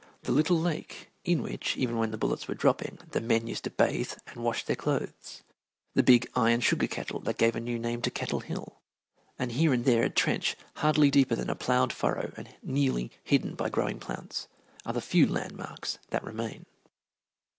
The little lake in which, even when the bullets were dropping, the men used to bathe and wash their clothes, the big iron sugar kettle that gave a new name to Kettle Hill, and here and there a trench hardly deeper than a ploughed furrow, and nearly hidden by growing plants, are the few landmarks that remain.